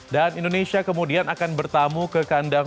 dan indonesia kemudian akan bertamu ke kandang